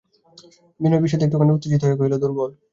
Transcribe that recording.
বিনয় ঈষৎ একটুখানি উত্তেজিত হইয়া কহিল, দুর্বল!